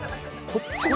こっちか。